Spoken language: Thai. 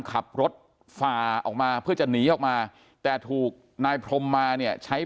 ขับรถฝ่าออกมาเพื่อจะหนีออกมาแต่ถูกนายพรมมาเนี่ยใช้